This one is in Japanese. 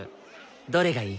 どれがいい？